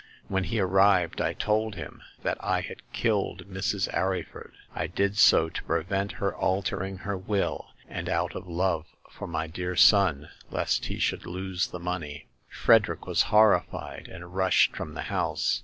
When he arrived I told him that I had killed Mrs. Arry ford. I did so to prevent her altering her will, and out of love for my dear son, lest he should lose the money. Frederick was horrified, and rushed from the house.